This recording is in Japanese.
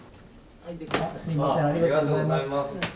ありがとうございます。